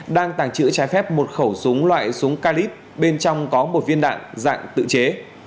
đang tàng trữ trái phép một khẩu súng loại súng calip bên trong có một viên đạn dạng tự chế